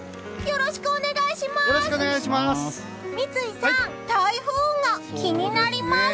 よろしくお願いします！